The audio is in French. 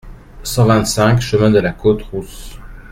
cent vingt-cinq chemin de la Côte Rousse